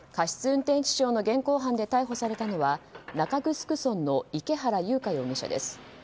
運転致傷の現行犯で逮捕されたのは中城村の池原優香容疑者です。